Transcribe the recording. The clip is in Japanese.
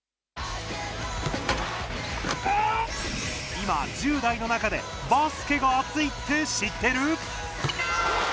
今、１０代の中でバスケがアツいって知ってる？